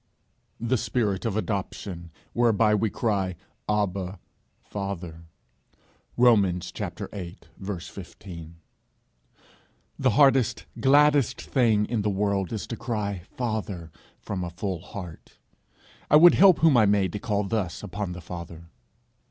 '_ the spirit of adoption, whereby we cry, Abba, Father._' ROMANS viii. 15. The hardest, gladdest thing in the world is, to cry Father! from a full heart. I would help whom I may to call thus upon the Father.